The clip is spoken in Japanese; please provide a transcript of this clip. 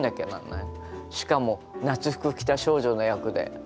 しかも夏服着た少女の役で。